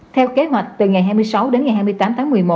theo kế hoạch từ ngày hai mươi sáu đến ngày hai mươi tám tháng một mươi một